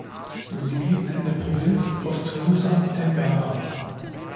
Sie liegt in der Provinz Ost-Nusa Tenggara.